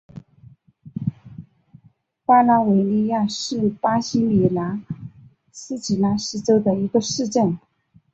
马拉维利亚斯是巴西米纳斯吉拉斯州的一个市镇。